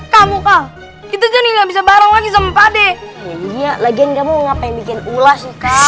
kamu kau itu jadi nggak bisa bareng lagi sama pade iya lagian gak mau ngapain bikin ulas